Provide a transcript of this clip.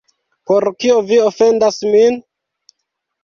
Por kio vi ofendas min?